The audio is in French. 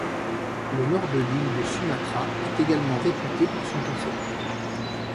Le nord de l'île de Sumatra est également réputé pour son café.